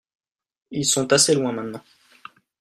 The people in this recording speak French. Ils sont assez loin maintenant.